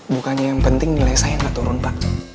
bukannya yang penting nilai saya nggak turun pak